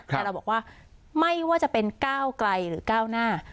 แต่เราบอกว่าไม่ว่าจะเป็นก้าวไกลหรือก้าวหน้า